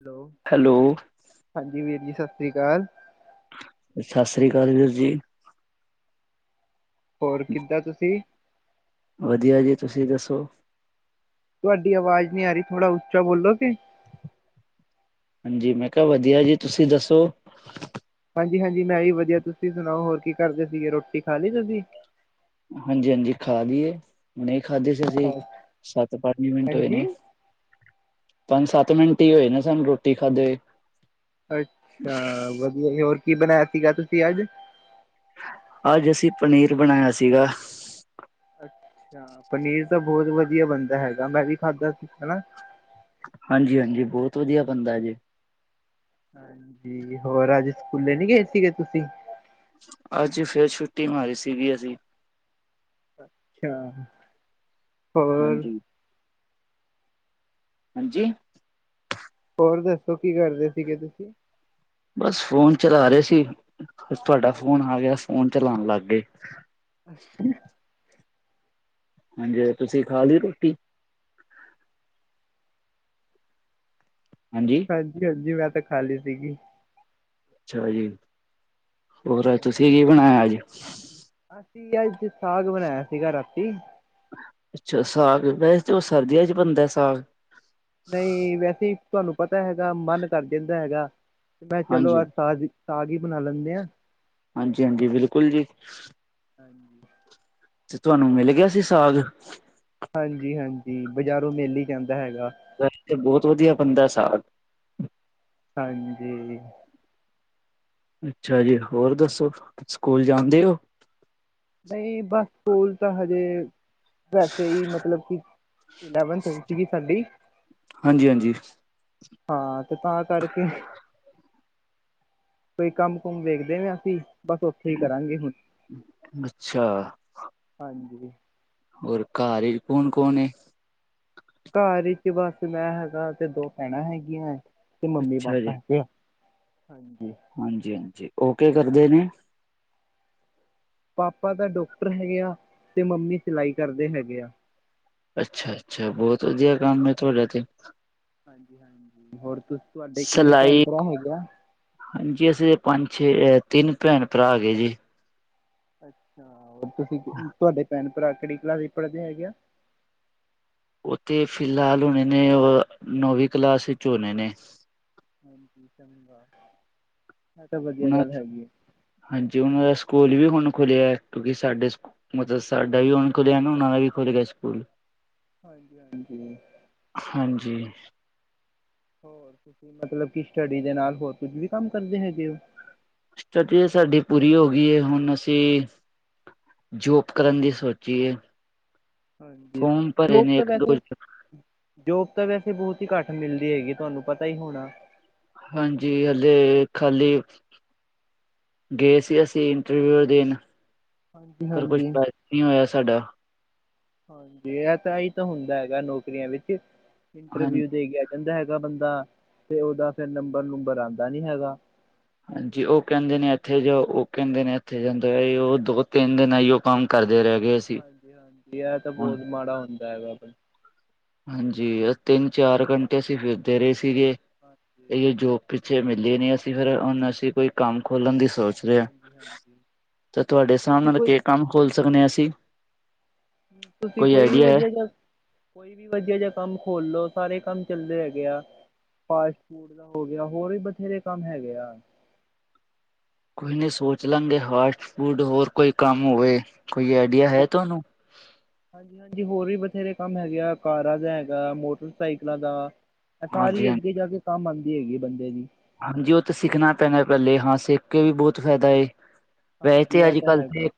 Hello. Hello. ਹਾਂਜੀ ਵੀਰ ਜੀ ਸਤਿ ਸ਼੍ਰੀ ਅਕਾਲ। ਸਤਿ ਸ੍ਰੀ ਅਕਾਲ ਵੀਰ ਜੀ। ਹੋਰ ਕਿੱਦਾਂ ਤੁਸੀਂ। ਵਧੀਆ ਜੀ ਤੁਸੀਂ ਦੱਸੋ ਤੁਹਾਡੀ ਆਵਾਜ਼ ਨੀ ਆ ਰਹੀ ਥੋੜਾ ਉੱਚਾ ਬੋਲੋ ਗੇ ਹਾਂਜੀ ਮੈਂ ਕਿਹਾ ਵਧੀਆ ਜੀ ਤੁਸੀਂ ਦੱਸੋ ਹਾਂਜੀ ਹਾਂਜੀ ਮੈਂ ਵੀ ਵਧੀਆ ਤੁਸੀਂ ਸੁਣਾਓ ਹੋਰ ਕੀ ਕਰਦੇ ਸੀਗੇ ਰੋਟੀ ਖਾ ਲਈੀ ਤੁਸੀਂ ਹਾਂਜੀ ਹਾਂਜੀ ਖਾ ਦੀਏ ਹੁ ਨਹੀਂ ਖਾਧੀ ਸੀ ਅਸੀਂ ਸੱਤ ਪੰਜ ਮਿੰਟ ਹੋਏ ਹਾਂਜੀ ਨੇ ਪੰਜ ਸੱਤ ਮਿੰਟ ਹੀ ਹੋਏ ਨਾ ਸਾਨੂੰ ਰੋਟੀ ਖਾਧੇ ਹੋਏ ਅੱਛਾ ਵਧੀਆ ਹੋਰ ਕੀ ਬਣਾਇਆ ਸੀਗਾ ਤੁਸੀਂ ਅੱਜ ਅੱਜ ਅਸੀਂ ਪਨੀਰ ਬਣਾਇਆ ਸੀਗਾ ਅੱਛਾ ਪਨੀਰ ਤਾਂ ਬਹੁਤ ਵਧੀਆ ਬਣਦਾ ਹੈਗਾ ਮੈਂ ਵੀ ਖਾਧਾ ਸੀ ਹਨਾ ਹਾਂਜੀ ਹਾਂਜੀ ਬਹੁਤ ਵਧੀਆ ਬਨਦਾ ਜੀ ਹਾਂਜੀ ਹੋਰ ਅੱਜ ਸਕੂਲੇ ਨੀ ਗਏ ਸੀਗੇ ਤੁਸੀਂ ਅੱਜ ਫੇਿਰ ਛੁੱਟੀ ਮਾਰੀ ਸੀਗੀ ਅਸੀਂ ਅੱਛਾ ਹੋਰ ਹਾਂਜੀ, ਹਾਂਜੀ ਹੋਰ ਦੱਸੋ ਕੀ ਕਰਦੇ ਸੀਗੇ ਤੁਸੀਂ ਬਸ ਫੋਨ ਚਲਾ ਰਹੇ ਸੀ ਤੁਹਾਡਾ ਫੋਨ ਆ ਅੱਛਾ ਗਿਆ ਫੋਨ ਚਲਾਉਣ ਲੱਗ ਗਏ [unintelligible] ਹਾਂਜੀ ਤੁਸੀਂ ਖਾ ਲਈ ਰੋਟੀ ਹਾਂਜੀ ਹਾਂਜੀ ਹਾਂਜੀ ਮੈਂ ਤਾਂ ਖਾਲੀ ਸੀਗੀ ਅੱਛਾ ਜੀ ਹੋਰ ਹਾਂਜੀ ਤੁਸੀਂ ਕੀ ਬਣਾਇਆ ਅੱਜ ਅਸੀਂ ਅਥ ਸਾਗ ਬਣਾਇਆ ਸੀਗਾ ਰਾਤੀ ਅੱਛਾ ਸਾਗ ਵੈਸੇ ਤਾਂ ਉਹ ਸਰਦੀਆਂ ਚ ਬਣਦਾ ਸਾਗ ਨਹੀਂ ਵੈਸੇ ਤੁਹਾਨੂੰ ਪਤਾ ਹੈਗਾ ਮਨ ਕਰ ਜਾਂਦਾ ਹੈਗਾ ਮੈਂ ਚਲੋ ਹਾਂਜੀ ਅਜ ਸਾਗ ਈ ਸਾਗ ਹੀ ਬਣਾ ਲੈਂਦੇ ਆਾਂ ਹਾਂਜੀ ਹਾਂਜੀ ਬਿਲਕੁਲ ਜੀ [unintelligible] ਤੇ ਤੁਹਾਨੂੰ ਮਿਲ ਗਿਆ ਸੀ ਸਾਗ ਹਾਂਜੀ ਹਾਂਜੀ ਬਾਜ਼ਾਰੋਂ ਮੇਲੇ ਈ ਜਾਂਦਾ ਹੈਗਾ [unintelligible] ਬਹੁਤ ਵਧੀਆ ਬਣਦਾ ਸਾਗ ਹਾਂਜੀ ਅੱਛਾ ਜੀ ਹੋਰ ਦੱਸੋ ਸਕੂਲ ਜਾਣਦੇ ਓ ਨਹੀਂ ਬਸ ਸਕੂਲ ਤਾਂ ਹਜੇ ਵੈਸੇ ਹੀ ਮਤਲਬ ਕਿ ਇਲੈਵਨਥ ਸੀਗੀ ਸਾਡੀ ਹਾਂਜੀ ਹਾਂਜੀ ਹਾਂ ਤੇ ਤਾਂ ਕਰਕੇ ਕੋਈ ਕੰਮ ਕੁਮ ਵੇਖਦੇ ਰਹੇ ਅਸੀਂ ਬਸ ਉੱਥੇ ਹੀ ਕਰਾਂਗੇ ਹੁਣ ਅੱਛਾ ਹਾਂਜੀ ਹੋਰ ਘਰ ਈ ਕੌਣ ਕੌਣ ਏ ਘਰ ਵਿਚ ਬਸ ਮੈਂ ਹੈਗਾ ਤੇ ਦੋ ਭੈਣਾਂ ਹੈਗੀਆਂ ਤੇ ਮੰਮੀ ਅੱਛਾ ਜੀ ਪਾਪਾ ਹੈਗੇ ਆ ਹਾਂਜੀ ਹਾਂਜੀ, ਹਾਂਜੀ ਉਹ ਕਿ ਕਰਦੇ ਨੇ? ਪਾਪਾ ਤਾਂ ਡਾਕਟਰ ਹੈਗੇ ਆ ਤੇ ਮੰਮੀ ਸਿਲਾਈ ਕਰਦੇ ਹੈਗੇ ਆ। ਅੱਛਾ, ਅੱਛਾ ਬਹੁਤ ਵਧੀਆ ਹਾਂਜੀ, ਕੰਮ ਹੈ ਤੁਹਾਡਾ ਤੇ। ਹਾਂਜੀ, ਹਾਂਜੀ ਹੋਰ ਤੁਹਾਡੇ ਕਿੰਨੇ ਭੈਣ ਸਿਲਾਈ ਭਰਾ ਹੈਗੇ ਆ? ਹਾਂਜੀ, ਅਸੀਂ ਪੰਜ, ਛੇ ਤਿੰਨ ਭੈਣ ਭਰਾ ਹੈਗੇ ਜੀ। ਅੱਛਾ, ਹੋਰ ਤੁਸੀਂ ਤੁਹਾਡੇ ਭੈਣ ਭਰਾ ਕਿਹੜੀ ਕਲਾਸ ਵਿੱਚ ਪੜ੍ਹਦੇ ਹੈਗੇ ਆ? ਉਹ ਤੇ ਫਿਲਹਾਲ ਹੋਣੇ ਨੇ ਉਹ ਨੌਵੀਂ ਕਲਾਸ ਵਿੱਚ ਹੋਣੇ ਨੇ। ਹਾਂਜੀ, ਚੰਗਾ ਏ ਤਾਂ ਵਧੀਆ ਉਹਨਾਂ ਗੱਲ ਹੈਗੀ ਆ। ਹਾਂਜੀ, ਉਹਨਾਂ ਦਾ ਸਕੂਲ ਵੀ ਹੁਣ ਖੁੱਲਿਆ ਕਿਉਂਕਿ ਸਾਡੇ ਮਤਲਬ ਸਾਡਾ ਵੀ ਹੁਣ ਖੋਲਿਆ ਨਾ ਉਹਨਾਂ ਦਾ ਵੀ ਖੁੱਲ ਗਿਆ ਸਕੂਲ। ਹਾਂਜੀ, ਹਾਂਜੀ। ਹਾਂਜੀ। ਹੋਰ ਤੁਸੀਂ ਮਤਲਬ ਕਿ ਸਟੱਡੀ ਦੇ ਨਾਲ ਹੋਰ ਕੁੱਝ ਵੀ ਕੰਮ ਕਰਦੇ ਹੈਗੇ ਹੋ? ਸਟਡੀ ਤੇ ਸਾਡੀ ਪੂਰੀ ਹੋ ਗਈ ਏ ਹੁਣ ਅਸੀਂ ਜੋਬ ਕਰਨ ਦੀ ਸੋਚੀ ਏ। ਹਾਂਜੀ, ਜੋਬ ਤਾਂ ਇੱਕ ਦੋ ਵੈਸੇ ਜੋਬ ਤਾਂ ਵੈਸੇ ਬਹੁਤ ਹੀ ਘੱਟ ਮਿਲਦੀ ਹੈਗੀ ਤੁਹਾਨੂੰ ਪਤਾ ਹੀ ਹੋਣਾ? ਹਾਂਜੀ, ਹਲੇ ਖਾਲੀ ਗਏ ਸੀ ਅਸੀਂ ਇੰਟਰਵਿਊ ਦੇਨ ਹਾਂਜੀ, ਪਰ ਕੁਛ ਹਾਂਜੀ। [unintelligible] ਨਹੀਂ ਹੋਇਆ ਸਾਡਾ। ਹਾਂਜੀ, ਇਹ ਤਾਂ ਹੀ ਤਾਂ ਹੁੰਦਾ ਹੈਗਾ ਨੌਕਰੀਆਂ ਵਿੱਚ ਹਾਂ ਇੰਟਰਵਿਊ ਦੇ ਗਿਆ। ਕਹਿੰਦਾ ਹੈਗਾ ਬੰਦਾ ਤੇ ਉਹਦਾ ਫੇਰ ਨੰਬਰ, ਨੁੰਬਰ ਆਉਂਦਾ ਨੀ ਹੈਗਾ। ਹਾਂਜੀ, ਉਹ ਕਹਿੰਦੇ ਨੇ ਇੱਥੇ ਜਾਓ ਉਹ ਕਹਿੰਦੇ ਨੇ ਇੱਥੇ ਜਾਂਦੇ ਪਏ ਓ ਉਹ ਦੋ ਤਿੰਨ ਦਿਨ ਆ ਹੀ ਉਹ ਕੰਮ ਕਰਦੇ ਰਹਿ ਗਏ। ਸੀ ਹਾਂਜੀ, ਹਾਂਜੀ ਇਹ ਤਾਂ ਹੁਣ ਬਹੁਤ ਮਾੜਾ ਹੁੰਦਾ ਹੈਗਾ। ਹਾਂਜੀ, ਤਿੰਨ ਚਾਰ ਘੰਟੇ ਅਸੀਂ ਫਿਰਦੇ ਰਹੇ ਸੀ ਗੇ ਹਾਂਜੀ ਇਹ ਜੋਬ ਪਿੱਛੇ ਮਿਲੇ ਨਹੀਂ ਅਸੀਂ ਫਿਰ ਹੁਣ ਅਸੀਂ ਕੋਈ ਕੰਮ ਖੋਲਣ ਸੌਚ ਰਿਆ ਹਾਂਜੀ ਹਾਂਜੀ ਤੇ ਤੁਹਾਡੇ ਹਿਸਾਬ ਤੁਸੀਂ ਨਾਲ ਕੋਈ ਕੀ ਕੰਮ ਖੋਲ ਸਕਦੇ ਆ ਅਸੀਂ ਤੁਸੀਂ ਕੋਈ ਵੀ ਆਈਡੀਆ ਹੈ। ਵਧੀਆ ਜਾ ਕੋਈ ਵੀ ਵਧੀਆ ਜਿਹਾ ਕੰਮ ਖੋਲ ਲੋ ਸਾਰੇ ਕੰਮ ਚੱਲਦੇ ਹੈਗੇ ਆ। ਫਾਸਟ ਫੂਡ ਦਾ ਹੋ ਗਿਆ ਹੋਰ ਵੀ ਬਥੇਰੇ ਕੰਮ ਹੈਗੇ ਆ। ਕੋਈ ਨਹੀਂ ਸੋਚ ਲਾਂਗੇ ਫਾਸਟ ਫੂਡ ਹੋਰ ਕੋਈ ਕੰਮ ਹੋਵੇ ਕੋਈ ਆਈਡੀਆ ਹੈ ਉਹ ਤੁਹਾਨੂੰ? ਹਾਂਜੀ, ਹਾਂਜੀ ਹੋਰ ਵੀ ਬਥੇਰੇ ਕੰਮ ਹੈਗੇ ਆ ਕਾਰਾਂ ਦਾ ਹੈਗਾ ਮੋਟਰਸਾਈਕਲਾਂ ਦਾ। ਏ ਹਾਂਜੀ ਸਾਰੀ ਹਾਂਜੀ ਅੱਗੇ ਜਾ ਕੇ ਕੰਮ ਆਉਂਦੀ ਹੈਗੀ ਬੰਦੇ ਦੀ। ਹਾਂਜੀ, ਉਹ ਤਾਂ ਸਿੱਖਣਾ ਪੈਣਾ ਪਹਿਲੇ ਹਾਂ ਸਿੱਖ ਕੇ ਵੀ ਬਹੁਤ ਫ਼ਾਇਦਾ ਏ। ਵੈਸੇ ਹਾਂਜੀ ਤੇ ਇਹ ਅੱਜ ਤਾਂ ਕੱਲ੍ਹ ਹੈਗਾ ਤੇ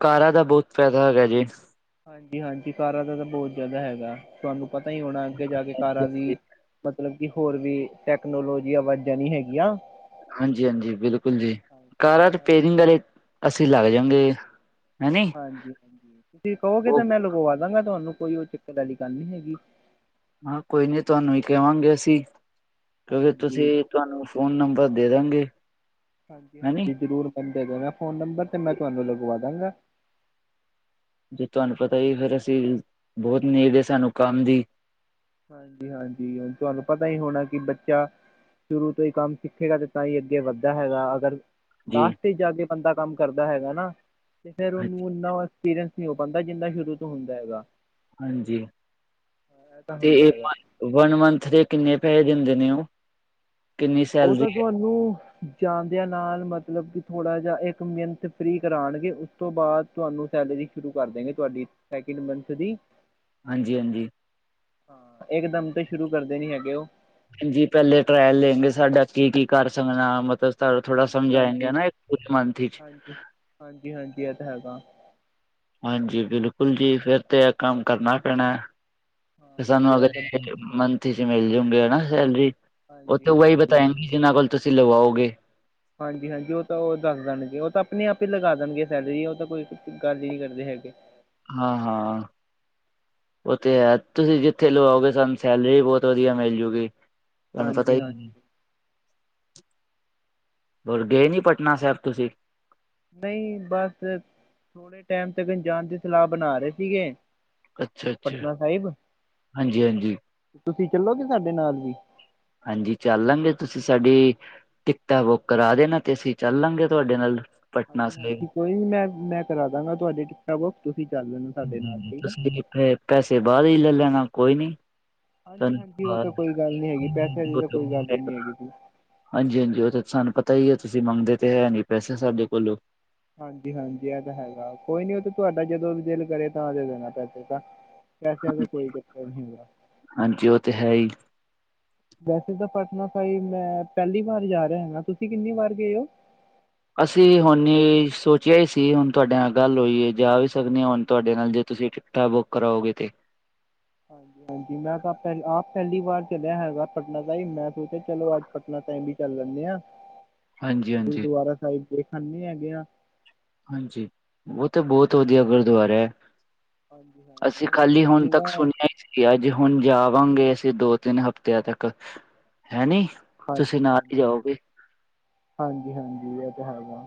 ਕਾਰਾ ਦਾ ਬਹੁਤ ਫਾਇਦਾ ਹੈਗਾ ਜੇ। ਹਾਂਜੀ, ਹਾਂਜੀ ਕਾਰਾਂ ਦਾ ਤਾਂ ਬਹੁਤ ਜ਼ਿਆਦਾ ਹੈਗਾ ਤੁਹਾਨੂੰ ਪਤਾ ਹੀ ਹੋਣਾ ਅੱਗੇ ਜਾ ਕੇ ਕਾਰਾਂ ਦੀ ਮਤਲਬ ਕਿ ਹੋਰ ਵੀ ਟੈਕਨੋਲੋਜੀਆ ਵਧ ਜਾਣੀ ਹੈਗੀਆਂ। ਹਾਂਜੀ, ਹਾਂਜੀ ਬਿਲਕੁਲ ਜੀ ਕਾਰਾਂ ਰਿਪੇਅਰਿੰਗ ਆਲੇ ਅਸੀਂ ਲੱਗ ਜਾਂਗੇ। ਹੈਨੀ ਹਾਂਜੀ ਤੁਸੀਂ ਕਹੋਗੇ ਤਾਂ ਉਹ ਮੈਂ ਲਗਵਾ ਦਾਂਗਾ ਤੁਹਾਨੂੰ ਕੋਈ ਉਹ ਦਿੱਕਤ ਵਾਲੀ ਗੱਲ ਨਹੀਂ ਹੈਗੀ। ਹਾਂ, ਕੋਈ ਨੀ ਤੁਹਾਨੂੰ ਹੀ ਕਵਾਂਗੇ ਅਸੀਂ ਕਿਉਂਕਿ ਹਾਂਜੀ। ਤੁਸੀਂ ਤੁਹਾਨੂੰ ਫ਼ੋਨ ਨੰਬਰ ਦੇ ਦਾਂਗੇ। ਹਾਂਜੀ, ਹੈਨੀ ਹਾਂਜੀ ਜ਼ਰੂਰ ਬੰਦੇ ਤੋ ਮੈਂ ਫ਼ੋਨ ਨੰਬਰ ਮੈਂ ਤੁਹਾਨੂੰ ਲਿਖਵਾ ਦਾਂਗਾ। ਜੇ ਤੁਹਾਨੂੰ ਪਤਾ ਹੀ ਫੇਰ ਅਸੀਂ ਬਹੁਤ ਨੀਡ ਏ ਸਾਨੂੰ ਕੰਮ ਦੀ। ਹਾਂਜੀ, ਹਾਂਜੀ ਤੁਹਾਨੂੰ ਪਤਾ ਹੀ ਹੋਣਾ ਕਿ ਬੱਚਾ ਸ਼ੁਰੂ ਤੋਂ ਹੀ ਕੰਮ ਸਿੱਖੇਗਾ ਤੇ ਤਾਂ ਹੀ ਅੱਗੇ ਵੱਧਦਾ ਹੈਗਾ ਅਗਰ ਜੀ ਲਾਸਟ ਚ ਜਾ ਕੇ ਬੰਦਾ ਕੰਮ ਕਰਦਾ ਹੈਗਾ ਨਾ ਤੇ ਫੇਰ ਹਾਂਜੀ ਉਹਨੂੰ ਏਨਾ ਐਕਸਪੀਰੀਅੰਸ ਨਹੀਂ ਹੋ ਪਾਂਦਾ ਜਿੰਨਾ ਸ਼ੁਰੂ ਤੋਂ ਹੁੰਦਾ ਹੈਗਾ। ਹਾਂਜੀ, ਇਹ ਤਾਂ ਤੇ ਹੁੰਦਾ ਏ ਹੈਗਾ ਵਨ ਮੰਥ ਦੇ ਕਿੰਨੇ ਪੈਸੇ ਦਿੰਦੇ ਨੇ ਉਹ,? ਕਿੰਨੀ ਉਹ ਸੈਲਰੀ ਤਾਂ ਹੈ ਤੁਹਾਨੂੰ ਜਾਦਿਆਂ ਨਾਲ ਮਤਲਬ ਕਿ ਥੋੜ੍ਹਾ ਜਿਹਾ ਇੱਕ ਮੰਥ ਫਰੀ ਕਰਾਉਣਗੇ ਉਸ ਤੋਂ ਬਾਅਦ ਤੁਹਾਨੂੰ ਸੈਲਰੀ ਸ਼ੁਰੂ ਕਰ ਦੇਗੇ ਤੁਹਾਡੀ ਸੈਕਿੰਡ ਮੰਥ ਦੀ। ਹਾਂਜੀ-ਹਾਂਜੀ। ਹਾਂ, ਇਕ ਦਮ ਤੇ ਸ਼ੁਰੂ ਕਰਦੇ ਨੀ ਹੈਗੇ ਉਹ। ਜੀ ਪਹਿਲੇ ਟਰਾਇਲ ਲੈਗੇ ਸਾਡਾ ਕੀ-ਕੀ ਕਰ ਸਕਦਾ? ਮਤਲਬ, ਸਾਨੂੰ ਥੋੜਾ ਹਾਂਜੀ ਸਮਝਾਏਂਗੇੇ ਹਾਂਜੀ ਨਾ ਇੱਕ ਕੁਛ ਮਨਥ ਹੀ ਚ। ਹਾਂਜੀ-ਹਾਂਜੀ, ਇਹ ਤਾਂ ਹੈਗਾ। ਹਾਂਜੀ, ਬਿਲਕੁਲ ਜੀ ਫੇਰ ਤੇ ਇਹ ਕੰਮ ਕਰਨਾ ਪੈਣਾ। ਤੇ ਹਾਂਜੀ ਸਾਨੂੰ ਅਗਰ ਇਹ ਤਾਂ ਬਹੁਤ ਮੰਥ ਚ ਮਿਲ ਜੂਗੇ ਨਾ ਸੈਲਰੀ, ਉਹ ਹਾਂਜੀ ਤੇ ਉਹੀ ਹਾਂਜੀ ਬਤਾਏਗੀ। ਜਿਨਾਂ ਕੋਲ ਤੁਸੀਂ ਲਵਾਓਗੇ। ਹਾਂਜੀ-ਹਾਂਜੀ, ਉਹ ਤਾਂ ਉਹ ਦੱਸ ਦੇਣਗੇ ਉਹ ਤਾਂ ਆਪਣੇ-ਆਪ ਹੀ ਲਗਾ ਦੇਣਗੇ ਸੈਲਰੀ ਉਹ ਤਾਂ ਕੋਈ ਗੱਲ ਹੀ ਨਹੀ ਕਰਦੇ ਹੈਗੇ। ਹਾਂ-ਹਾਂ। ਉਹ ਤੇ ਹੈ, ਤੁਸੀਂ ਜਿੱਥੇ ਲਵਾਓਗੇ ਸਾਨੂੰ ਸੈਲਰੀ ਵੀ ਬਹੁਤ ਵਧੀਆ ਮਿਲਜੂਗੀ। ਤੁਹਾਨੂੰ ਪਤਾ ਹਾਂਜੀ ਹੀ, ਹਾਂਜੀ ਹੋਰ ਗਏ ਨੀ ਪਟਨਾ ਸਾਹਿਬ ਤੁਸੀਂ? ਨਹੀਂ, ਬਸ ਥੋੜੇ ਟਾਈਮ ਤੱਕ ਜਾਣ ਦੀ ਸਲਾਹ ਬਣਾ ਰਹੇ ਸੀਗੇ ਅੱਛਾ ਅੱਛਾ ਪਟਨਾ ਸਾਹਿਬ, ਹਾਂਜੀ ਹਾਂਜੀ ਤੁਸੀਂ ਚੱਲੋਗੇ ਸਾਡੇ ਨਾਲ ਵੀ? ਹਾਂਜੀ, ਚੱਲ ਲਾਂਗੇ ਤੁਸੀਂ ਸਾਡੀੇ ਟਿਕਟਾਂ ਬੁੱਕ ਕਰਾ ਦੇਣਾ ਤੇ ਅਸੀਂ ਚੱਲ ਲਾਂਗੇ ਤੁਹਾਡੇ ਨਾਲ ਪਟਨਾ ਸਾਹਿਬ ਹਾਂਜੀ-ਹਾਂਜੀ, ਕੋਈ ਨੀ ਮੈਂ-ਮੈਂ ਕਰਾ ਦਾਂਗਾ ਤੁਹਾਡੀ ਟਿਕਟਾਂ ਬੁੱਕ ਤੁਸੀਂ ਚੱਲ ਲੈਣਾ ਸਾਡੇ ਨਾਲ ਠੀਕ ਹੈ। ਫਿਰ ਪੈਸੇ ਬਾਦ ਇਚ ਲੈ ਲੈਣਾ ਕੋਈ ਨਹੀਂ। ਹਾਂਜੀ-ਹਾਂਜੀ, ਉਹ ਤਾਂ ਕੋਈ ਗੱਲ ਨੀ ਹੈਗੀ, ਪੈਸਿਆਂ ਦੀ ਤਾਂ ਕੋਈ ਗੱਲ ਹੀ ਨੀ ਹੈਗੀ ਜੀ। ਹਾਂਜੀ-ਹਾਂਜੀ, ਉਹ ਤਾਂ ਸਾਨੂੰ ਪਤਾ ਹੀ ਹੈ ਤੁਸੀਂ ਮੰਗਦੇ ਤੇ ਹੈਨੀ ਪੈਸੇ ਸਾਡੇ ਕੋਲੋਂ। ਹਾਂਜੀ-ਹਾਂਜੀ, ਇਹ ਤਾਂ ਹੈਗਾ ਕੋਈ ਨੀ ਉਹ ਤੇ ਤੁਹਾਡਾ ਜਦੋਂ ਵੀ ਦਿਲ ਕਰੇ ਤਾਂਦੇ ਦੇਣਾ ਪੈਸੇ ਤਾਂ। ਪੈਸਿਆਂ ਦਾ ਕੋਈ ਚੱਕਰ ਨਹੀਂ ਹੁੰਗਾ। ਹਾਂਜੀ, ਉਹ ਤੇ ਹੈ ਹੀ। ਵੈਸੇ ਤਾਂ ਪਟਨਾ ਸਾਹਿਬ ਮੈਂ ਪਹਿਲੀ ਵਾਰ ਜਾ ਰਿਹਾ ਹੈਗਾ, ਤੁਸੀਂ ਕਿੰਨੀ ਵਾਰ ਗਏ ਹੋ? ਅਸੀਂ ਹੁਣ ਸੋਚਿਆ ਹੀ ਸੀ, ਹੁਣ ਤੁਹਾਡੇ ਨਾਲ ਗੱਲ ਹੋਈਏ ਜਾਂ ਵੀ ਸ ਸਕਦੇ ਹਾਂ ਹੁਣ ਤੁਹਾਡੇ ਨਾਲ, ਜੇ ਤੁਸੀਂ ਟਿਕਟਾਂ ਬੁੱਕ ਕਰਾਓਗੇ ਤੇ। ਹਾਂਜੀ-ਹਾਂਜੀ, ਮੈਂ ਤਾਂ ਪਾ ਆਪ ਪਹਿਲੀ ਵਾਰ ਚਲਿਆ ਹੈਗਾ ਪਟਨਾ ਸਾਹਿਬ, ਮੈਂ ਸੋਚਿਆ ਚਲੋ ਅੱਜ ਪਟਨਾ ਸਾਹਿਬ ਵੀ ਚੱਲ ਲੈਂਦੇ ਆਂ, ਹਾਂਜੀ ਹਾਂਜੀ ਗੁਰਦੁਆਰਾ ਸਾਹਿਬ ਦੇੇਖ ਆਨੇ ਹੈਗੇ ਆਂ। ਹਾਂਜੀ, ਉਹ ਤਾਂ ਬਹੁਤ ਵਧੀਆ ਗੁਰਦੁਆਰਾ ਹੈ। ਹਾਂਜੀ ਹਾਂਜੀ ਅਸੀਂ ਮੈਂ ਖਾਲੀ ਸੁਣਿਆ ਹੁਣ ਤੱਕ ਸੀਗਾ ਸੁਣਿਆ ਹੀ ਸੀ। ਕਿ ਅੱਜ ਹੁਣ ਜਾਵਾਂਗੇ ਅਸੀਂ ਦੋ-ਤਿੰਨ ਹਫ਼ਤਿਆਂ ਤੱਕ ਹੈਨੀ ਤੁਸੀਂ ਨਾਲ ਹੀ ਜਾਓਗੇ। ਹਾਂਜੀ-ਹਾਂਜੀ, ਇਹ ਤਾਂ ਹੈਗਾ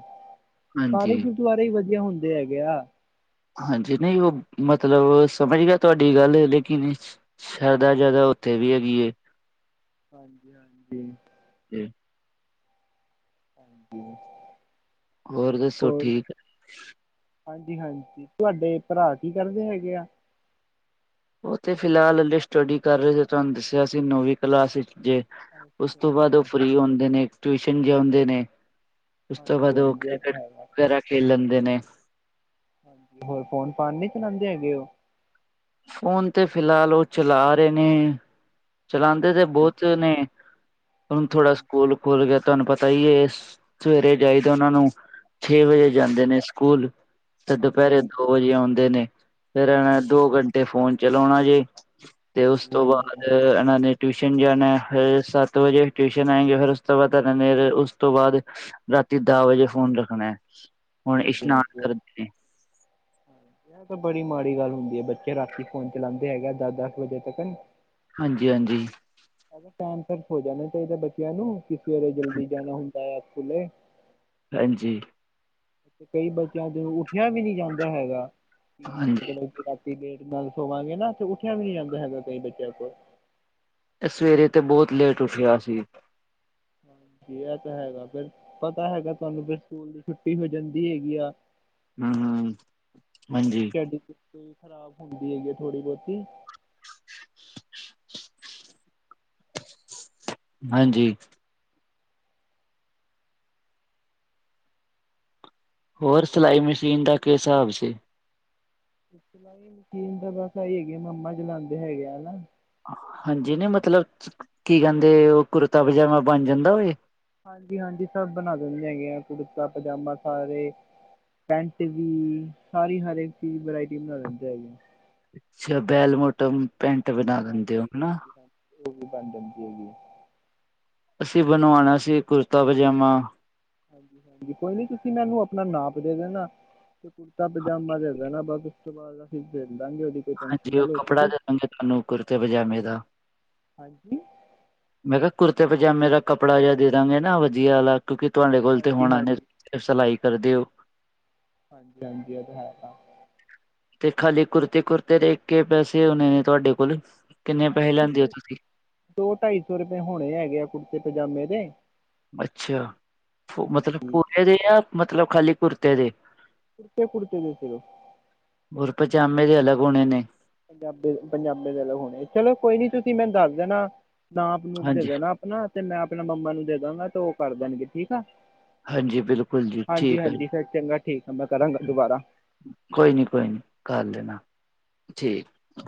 ਹਾਂਜੀ ਸਾਰੇ ਗੁਰਦੁਆਰੇ ਹੀ ਵਧੀਆ ਹੁੰਦੇ ਹੈਗੇ ਆ। ਹਾਂਜੀ, ਨਹੀਂ ਉਹ ਮਤਲਬ ਸਮਝ ਗਿਆ ਤੁਹਾਡੀ ਗੱਲ ਲੇਕਿਨ ਸ਼ਰਧਾ ਜਿਆਦਾ ਉੱਥੇ ਵੀ ਹੈਗੀ ਏ। ਹਾਂਜੀ-ਹਾਂਜੀ। ਤੇ ਹੂੰ। ਹੋਰ ਦੱਸੋ ਠੀਕ ਹਾਂਜੀ-ਹਾਂਜੀ, ਤੁਹਾਡੇ ਭਰਾ ਕੀ ਕਰਦੇ ਹੈਗੇ ਆ? ਉਹ ਤੇ ਫਿਲਹਾਲ ਹਲੇ ਸਟੱਡੀ ਕਰ ਰਹੇ ਸੀ, ਤੁਹਾਨੂੰ ਦੱਸਿਆ ਸੀ ਨੌਵੀਂ ਕਲਾਸ ਵਿਚ ਜੇ। ਉਸ ਤੋਂ ਅੱਛਾ ਬਾਅਦ ਉਹ ਫਰੀ ਹੁੰਦੇ ਨੇ, ਟਿਊਸ਼ਨ ਜਉਂਦੇ ਨੇ। ਉਸ ਤੋਂ ਹਾਂਜੀ ਬਾਅਦ ਉਹ ਹਾਂਜੀ ਇਹ ਤਾਂ ਕ੍ਰਿਕਟ ਹੈਗਾ ਵਗੈਰਾ ਖੇਲ ਲੈਂਦੇ ਨੇ। ਹਾਂਜੀ ਹੋਰ ਫੋਨ-ਫਾਨ ਨੀ ਚਲਾਉਂਦੇ ਹੈਗੇ ਉਹ ਫੋਨ ਤੇ ਫਿਲਹਾਲ ਉਹ ਚਲਾ ਰਹੇ ਨੇ। ਚਲਾਉਦੇ ਤੇ ਹਾਂਜੀ ਬਹੁਤ ਨੇ, ਹੁਣ ਹਾਂਜੀ ਥੋੜ੍ਹਾ ਹਾਂਜੀ ਸਕੂਲ ਭੁੱਲ ਗਿਆ ਤੁਹਾਨੂੰ ਪਤਾ ਹੀ ਇਹ ਸਵੇਰੇ ਗਏ ਤਾਂ ਉਹਨਾਂ ਨੂੰ ਛੇ ਵਜੇ ਹਾਂਜੀ ਜਾਂਦੇ ਨੇ ਹਾਂਜੀ ਸਕੂਲ। ਤੇ ਹਾਂਜੀ ਦੁਪਹਿਰੇ ਦੋ ਹਾਂਜੀ ਵਜੇ ਆਉਂਦੇ ਨੇ ਫਿਰ ਇਹ ਹਾਂਜੀ ਹਾਂਜੀ ਦੋ ਘ ਟੇ ਤੇ ਫੋਨ ਚਲਾਉਣਾ ਜੇ ਤੇ ਉਸ ਤੋਂ ਹਾਂਜੀ ਬਾਅਦ ਇਹਨਾਂ ਨੇ ਟਿਊਸ਼ਨ ਜਾਣਾ ਫਿਰ ਸੱਤ ਵਜੇ ਟਿਊਸ਼ਨ ਆਏਂਗੀ ਫਿਰ ਉਸ ਤੋਂ ਬਾਅਦ ਇਹਨਾਂ ਨੇ ਉਸ ਤੋਂ ਬਾਦ ਰਾਤੀ ਦਹ ਵਜੇ ਫੋਨ ਰੱਖਣਾ। ਹੁਣ ਹਾਂਜੀ, ਇਸ਼ਨਾਨ ਬੋ-ਬੋ। ਕਰਦੇ ਨੇ ਇਹ ਤਾਂ ਬੜੀ ਮਾੜੀ ਗੱਲ ਹੁੰਦੀ ਹੈ। ਬੱਚੇ ਰਾਤੀ ਫੋਨ ਚਲਾਉਂਦੇ ਹੈਗੇ, ਦਸ-ਦਸ ਵਜੇ ਤੱਕ ਹਾਂਜੀ-ਹਾਂਜੀ। ਟਾਈਮ ਸਿਰ ਹੋ ਜਾਣਾ ਚਾਹੀਦਾ ਬੱਚਿਆਂ ਨੂੰ। ਕਿ ਸਵੇਰੇ ਜਲਦੀ ਜਾਣਾ ਹੁੰਦਾ ਆ ਸਕੂਲੇ। ਹਾਂਜੀ। ਕਈ ਬੱਚਿਆਂ ਤੋ ਉੱਠਿਆ ਵੀ ਨਹੀਂ ਜਾਂਦਾ ਹੈਗਾ। ਕਿ ਹਾਂਜੀ ਮਤਲਬ ਇੱਥੇ ਤੱਕ ਲੇਟ ਨਾਲ ਸਵਾਂਗੇ ਨਾ, ਤੇ ਉੱਠਿਆ ਵੀ ਨੀ ਜਾਂਦਾ ਹੈਗਾ ਕਈ ਬੱਚਿਆਂ ਕੋਲ। ਇਹ ਸਵੇਰੇ ਤੇ ਬਹੁਤ ਲੇਟ ਉੱਠਿਆ ਸੀ। ਬਇ ਏਂਦਾ ਹੈਗਾ ਫਿਰ। ਪਤਾ ਹੈਗਾ ਤੁਹਾਨੂੰ ਫੇਰ ਸਕੂਲ ਦੀ ਛੁੱਟੀ ਹੋ ਜਾਂਦੀ ਹੈਗੀ ਆ। ਹੂੰ, ਹੂੰ ਹਾਂਜੀ, ਡੀ ਖਰਾਬ ਹੁੰਦੀ ਹੈਗੀ ਥੋੜੀ ਬਹੁਤੀ। [unintelligible] ਹਾਂਜੀ। ਹੋਰ ਸਿਲਾਈ ਮਸ਼ੀਨ ਦਾ ਕਿਸ ਹਿਸਾਬ ਸੀ। ਸਿਲਾਈ ਮਸ਼ੀਨ ਦਾ ਬਸ ਆ ਹੈਗੇ, ਕਿ ਮਮਾ ਚਲਾਉਂਦੇ ਹੈਗੇ ਹਨਾ। ਹਾਂਜੀ, ਨਹੀਂ ਮਤਲਬ ਕੀ ਕਹਿੰਦੇ, ਉਹ ਕੁੜਤਾ- ਪਜਾਮਾ ਬਣ ਜਾਂਦਾ ਹੋਏ। ਹਾਂਜੀ- ਹਾਂਜੀ ਸਭ ਬਣਾ ਦਿੰਦੇ ਹੈਗੇ ਆ, ਕੁੜਤਾ ਪਜਾਮਾ ਸਾਰੇ। ਪੈਂਟ ਵੀ, ਸਾਰੀ ਹਰੇਕ ਚੀਜ਼ ਵਰਾਇਟੀ ਬਣਾ ਦਿੰਦੇ ਹੈਗੇ ਆ। ਅੱਛਾ ਬੈਲਮੋਟਮ? ਪੈਂਟ ਬਣਾ- ਹਾਂਜੀ- ਦਿੰਦੇ ਹੋ ਹਨਾ, ਹਾਂਜੀ, ਹਾਂਜੀ ਉਹ ਵੀ ਬਣ ਜਾਂਦੀ ਹੈਗੀ। ਅਸੀਂ ਬਣਵਾਉਣਾ ਸੀ, ਕੁੜਤਾ- ਪਜਾਮਾ। ਹਾਂਜੀ- ਹਾਂਜੀ ਕੋਈ ਨੀ, ਤੁਸੀਂ ਮੈਨੂੰ ਆਪਣਾ ਨਾਪ ਦੇ ਦੇਣਾ। ਅਤੇ ਕੁੜਤਾ- ਪਜਾਮਾ ਦੇ ਦੇਣਾ, ਬਾਸ ਉਸ ਤੋਂ ਬਾਅਦ ਅਸੀ ਦੇਖ ਲਾਂਗੇ ਉਹਦੀ। ਕੋਈ ਟੈਨਸ਼ਨ ਹਾਂਜੀ, ਨਾ ਉਹ ਲਓ ਕੱਪੜਾ ਤੁਸੀਂ ਦੇ ਦਣਗੇ ਤੁਹਾਨੂੰ ਕੁੜਤੇ- ਪਜਾਮੇ ਦਾ। ਹਾਂਜੀ ਮੈਂ ਕਿਹਾ ਕੁੜਤੇ- ਪਜਾਮੇ ਦਾ ਕੱਪੜਾ ਜਿਹਾ ਦੇ ਦਾਂਗੇ ਨਾ ਵਧੀਆ ਵਾਲਾ, ਕਿਉਂਕਿ ਤੁਹਾਡੇ ਕੋਲ ਤੇ ਹਾਂਜੀ ਹੋਣਾ ਨੀ। ਹਾਂਜੀ ਤੁਸੀਂ ਤੇ ਸਿਲਾਈ ਕਰਦੇ ਹੋ। ਹਾਂਜੀ- ਹਾਂਜੀ ਇਹ ਤਾਂ ਹੈ ਤਾਂ। ਤੇ ਖਾਲੀ ਕੁੁਰਤੇ- ਕੁੁਰਤੇ ਦੇ ਕੇ ਪੈਸੇ ਹੋਣੇ ਨੇ ਤੁਹਾਡੇ ਕੋਲ? ਕਿੰਨੇ ਏਹੀ ਪੈਸੇ ਕੁੱਛ ਲੈਂਦੇ ਹੋ ਤੁਸੀਂ ਦੋ, ਢਾਈ ਸੌ ਰੁਪਏ ਹੋਣੇ ਹੈਗੇ ਆ ਕੁੜਤੇ- ਪਜਾਮੇ ਦੇ। ਅੱਛਾ, ਮਤਲਬ ਪੂਰੇ ਦੇ ਜਾਂ, ਮਤਲਬ ਖਾਲੀ ਕੁੁਰਤੇ ਦੇ? ਕੁੜਤੇ- ਕੁੜਤੇ ਦੇ ਸੀਰਫ। ਉਰ ਪਜਾਮਾ ਦੇ ਅਲਗ ਹੋਣੇ ਨੇ। ਪੰਜਾਬੀ ਪੰਜਾਮੇ ਦੇ ਅਲਗ ਹੋਣੇ। ਚਲੋ ਕੋਈ ਨੀ ਤੁਸੀਂ ਮੈਨੂੰ ਦਸ ਦੇਣਾ ਨਾਪ- ਨੂਪ ਦੇ ਹਾਂਜੀ ਦੇਣਾ। ਤੇ ਮੈਂ ਆਪਣਾ ਮੰਮਾ ਨੂੰ ਦੇ ਦਾਂਗਾ, ਤੇ ਉਹ ਕਰ ਦੇਣਗੇ ਠੀਕ ਆ। ਹਾਂਜੀ ਬਿਲਕੁਲ ਜੀ ਹਾਂਜੀ- ਠੀਕ ਹੈ ਜੀ ਹਾਂਜੀ ਫੇਰ ਚੰਗਾ ਠੀਕ ਆ, ਮੈਂ ਕਰਾਂਗਾ ਦੁਬਾਰਾ। ਕੋਈ ਨੀ- ਕੋਈ ਨੀ ਕਰ ਲੈਣਾ ਠੀਕ।